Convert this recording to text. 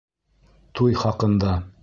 Туй хаҡында.